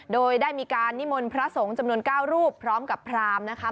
โดยได้มีการนิมนต์พระสงฆ์จำนวน๙รูปพร้อมกับพรามนะคะ